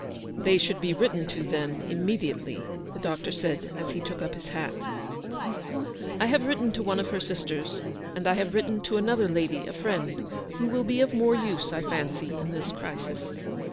" They should be written to, then, immediately/' the doctor said, as he took up his hat. GOOD SAMARITANS. 151 " I liave written to one of her sisters, and I have written to another lady, a friend, who will be of more use, I fancy, in this crisis.